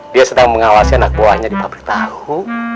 dia sedang mengawasi anak buahnya di pabrik tahu